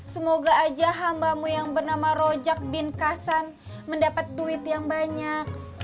semoga aja hambamu yang bernama rojak bin kasan mendapat duit yang banyak